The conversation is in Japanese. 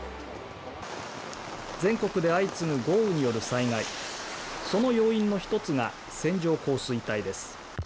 全国で相次ぐ豪雨による災害その要因の１つが線状降水帯です